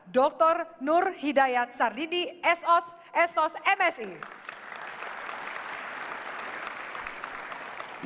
dr nur hidayat sardini sos sos msi